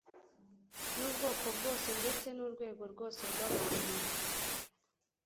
n'ubwoko bwose ndetse n'urwego rwose rw'abantu.